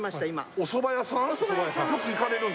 おそば屋さん